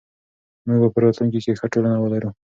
موږ به په راتلونکي کې ښه ټولنه ولرو.